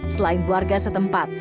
selain warga setempat